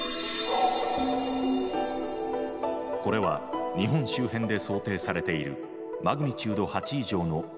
これは日本周辺で想定されているマグニチュード８以上の巨大地震です。